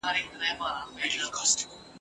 یو شمس الدین وم په کندهار کي !.